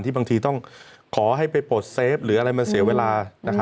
บางทีต้องขอให้ไปปลดเซฟหรืออะไรมันเสียเวลา